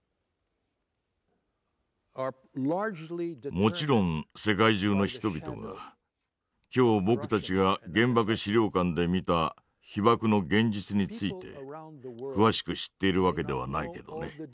もちろん世界中の人々が今日僕たちが原爆資料館で見た被爆の現実について詳しく知っているわけではないけどね。